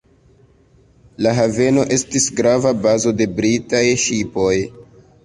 La haveno estis grava bazo de britaj ŝipoj.